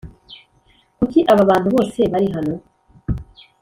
kuki aba bantu bose bari hano?